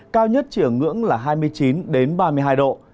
cao nhất chỉ ở ngưỡng là hai mươi chín ba mươi hai độ